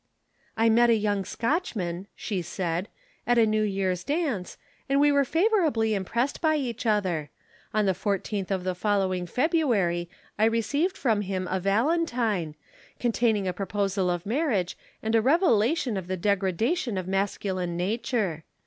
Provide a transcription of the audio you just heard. "I met a young Scotchman," she said, "at a New Year's dance, and we were favorably impressed by each other. On the fourteenth of the following February I received from him a Valentine, containing a proposal of marriage and a revelation of the degradation of masculine nature.